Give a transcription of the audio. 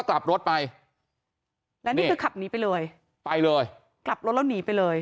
กลับรถไปแล้วนี่คือขับหนีไปเลยไปเลยกลับรถแล้วหนีไปเลย